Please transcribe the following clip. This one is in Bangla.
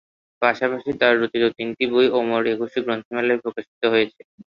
পাশাপাশি তার রচিত তিনটি বই অমর একুশে গ্রন্থমেলায় প্রকাশিত হয়েছে।